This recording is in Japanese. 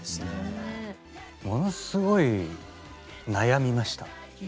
ものすごい悩みました。